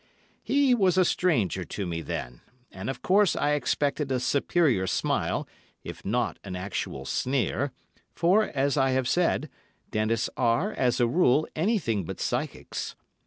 He was a stranger to me then, and of course I expected a superior smile, if not an actual sneer, for, as I have said, dentists are, as a rule, anything but psychics.